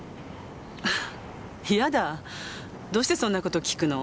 いやだどうしてそんな事訊くの？